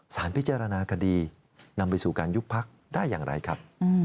สารพิจารณาคดีนำไปสู่การยุบพักได้อย่างไรครับ